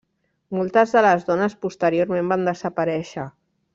Moltes de les dones posteriorment van desaparèixer.